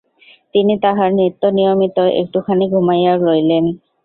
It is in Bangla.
তিনি তাঁহার নিত্য নিয়মমত একটুখানি ঘুমাইয়াও লইলেন।